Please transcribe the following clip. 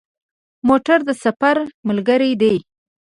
موټر د سفر ملګری دی.